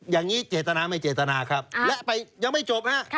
อย่างนี้เจตนาไม่เจตนาครับและไปยังไม่จบฮะ